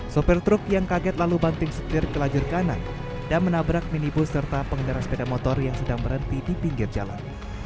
sopir truk yang kaget lalu banting setir ke lajur kanan dan menabrak minibus serta pengendara sepeda motor yang sedang berhenti di pinggir jalan